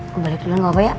gue balik dulu gak apa apa ya